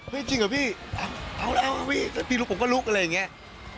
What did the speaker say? ว่าเฮ่ยจริงเหรอพี่เอาละอะพี่พี่หลุกผมก็ลุกอะไรอย่างนี้